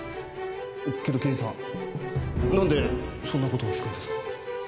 けど刑事さんなんでそんな事を聞くんですか？